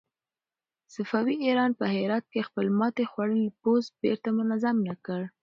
صفوي ایران په هرات کې خپل ماتې خوړلی پوځ بېرته منظم نه کړ.